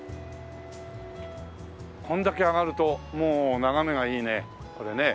これだけ上がるともう眺めがいいねこれね。